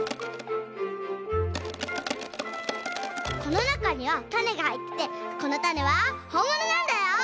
このなかにはたねがはいっててこのたねはほんものなんだよ！